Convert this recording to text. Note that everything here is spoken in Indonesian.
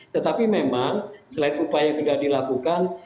tetapi memang selain upaya yang sudah dilakukan